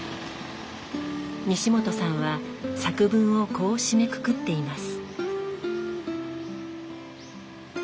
西本さんは作文をこう締めくくっています。